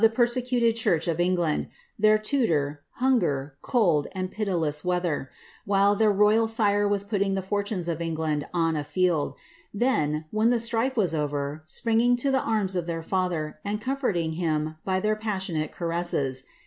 persecuted church of England, their tutor, hunger, cold, and pi til weather, while their royal sire was putting the fortunes of England on a (ield ; then, when the strife was over, springing to the arms of their fatlier, and comforting him by their passionate caresses.